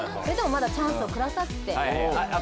それでもまだチャンスをくださって。